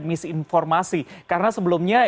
misinformasi karena sebelumnya